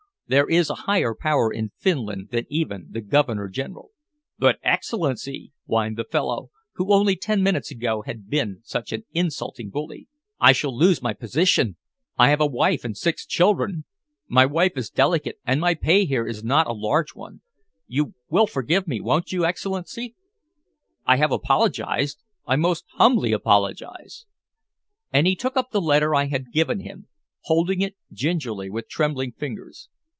There is a higher power in Finland than even the Governor General." "But, Excellency," whined the fellow who only ten minutes ago had been such an insulting bully, "I shall lose my position. I have a wife and six children my wife is delicate, and my pay here is not a large one. You will forgive, won't you, Excellency? I have apologized I most humbly apologize." And he took up the letter I had given him, holding it gingerly with trembling fingers.